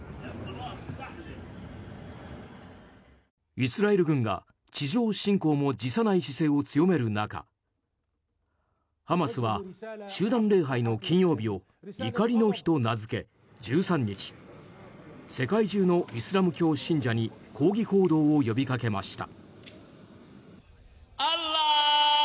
イスラエル軍が地上侵攻も辞さない姿勢を強める中ハマスは集団礼拝の金曜日を怒りの日と名付け１３日、世界中のイスラム教信者に抗議行動を呼びかけました。